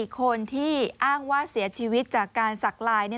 คนที่อ้างว่าเสียชีวิตจากการสักลาย